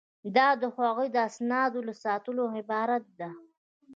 دا د هغوی د اسنادو له ساتلو عبارت ده.